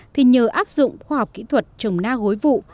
thì nhờ áp dụng khoa học kỹ thuật trồng na hối vụ